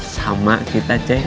sama kita ceng